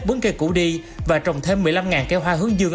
bấn cây cũ đi và trồng thêm một mươi năm cây hoa hướng dương